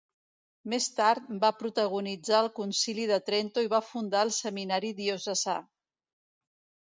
Més tard va protagonitzar el Concili de Trento i va fundar el seminari diocesà.